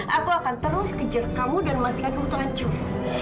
aku akan terus kejar kamu dan memastikan kamu terlancur